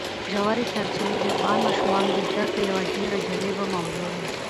ژورې سرچینې د افغان ماشومانو د زده کړې یوه ډېره جالبه موضوع ده.